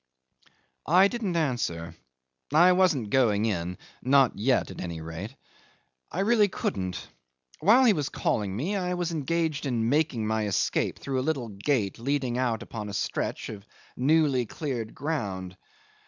'I didn't answer. I wasn't going in not yet at any rate. I really couldn't. While he was calling me I was engaged in making my escape through a little gate leading out upon a stretch of newly cleared ground.